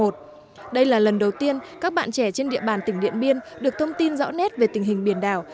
đây là lần đầu tiên các bạn trẻ trên địa bàn tỉnh điện biên được thông tin rõ nét về tình hình biển đảo